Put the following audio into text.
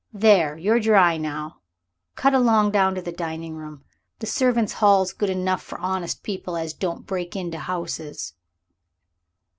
There, you're dry now. Cut along down to the dining room. The servants' hall's good enough for honest people as don't break into houses."